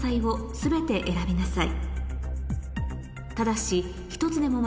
「全て選びなさい」